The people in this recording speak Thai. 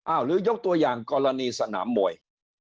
หรือยกตัวอย่างกรณีสนามมวย